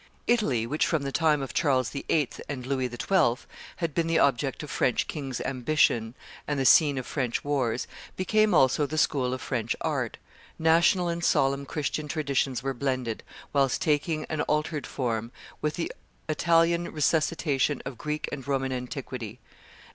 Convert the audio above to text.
Italy, which, from the time of Charles VIII. and Louis XII., had been the object of French kings' ambition and the scene of French wars, became also the school of French art; national and solemn Christian traditions were blended, whilst taking an altered form, with the Italian resuscitation of Greek and Roman antiquity.